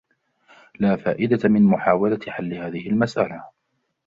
لا فائدة من محاولة حل هذه المسألة.